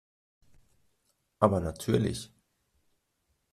Aber natürlich.